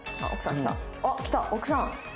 あっきた奥さん！